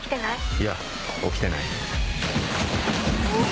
いや起きてない。